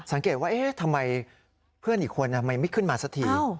สังเกตว่าทำไมเพื่อนอีกคนทำไมไม่ขึ้นมาสักที